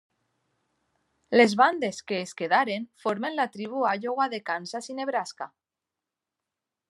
Les bandes que es quedaren formen la Tribu Iowa de Kansas i Nebraska.